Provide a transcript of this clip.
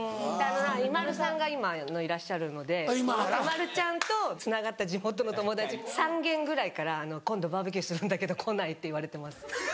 ＩＭＡＬＵさんが今いらっしゃるのでＩＭＡＬＵちゃんとつながった地元の友達３軒ぐらいから「今度バーベキューするんだけど来ない？」って言われてます。